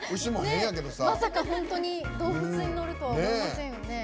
まさか本当に動物に乗るとは思いませんよね。